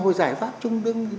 được lại với mong muốn kỳ vọng